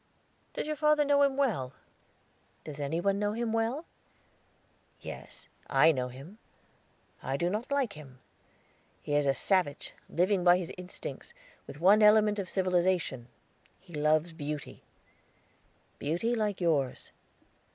Does your father know him well?" "Does any one know him well?" "Yes, I know him. I do not like him. He is a savage, living by his instincts, with one element of civilization he loves Beauty beauty like yours."